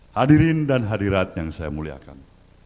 hadirin dan hadirat yang saya muliakan